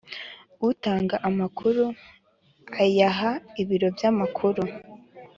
Utanga amakuru ayaha ibiro by amakuru